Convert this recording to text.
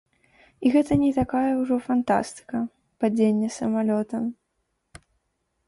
І гэта не такая ўжо фантастыка, падзенне самалёта.